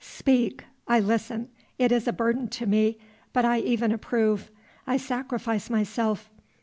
Speak. I listen. It is a burden to me, but I even approve. I sacrifice myself.